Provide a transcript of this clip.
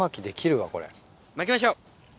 まきましょう。